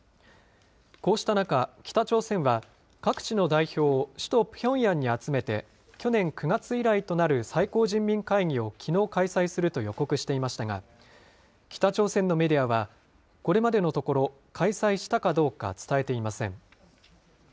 こうした中、北朝鮮は、各地の代表を首都ピョンヤンに集めて、去年９月以来となる最高人民会議をきのう開催すると予告していましたが、北朝鮮のメディアは、これまでのところ、開催したかどうか伝えていません。